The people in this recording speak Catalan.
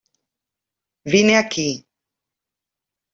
Vine aquí.